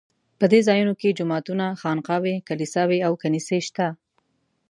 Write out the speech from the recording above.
په دې ځایونو کې جوماتونه، خانقاوې، کلیساوې او کنیسې شته.